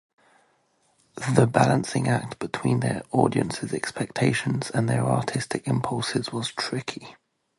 The balancing act between their audience's expectations and their artistic impulses was tricky.